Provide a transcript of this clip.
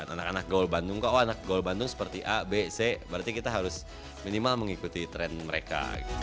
anak anak gol bandung kok anak gol bandung seperti a b c berarti kita harus minimal mengikuti tren mereka